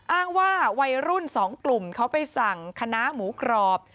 อ้างว่าวัยรุ่น๒กลุ่มเขาไปสั่งคณะหมูกรอบ